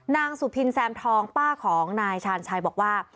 นางสุพินแซมทองป้าของนายชาญชัยบอกว่า